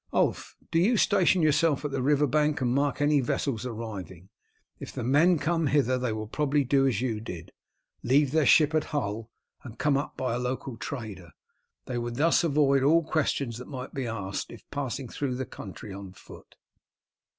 Ulf, do you station yourself at the river bank and mark any vessels arriving. If the men come hither they will probably do as you did, leave their ship at Hull and come up by a local trader. They would thus avoid all questions they might be asked if passing through the country on foot."